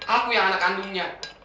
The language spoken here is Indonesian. aku yang anak kandungnya